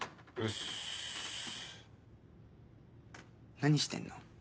何してんの？